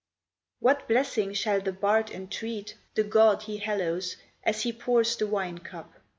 What blessing shall the bard entreat The god he hallows, as he pours The winecup?